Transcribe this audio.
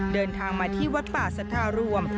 เดินทางมาที่วัดป่าสัทธารวม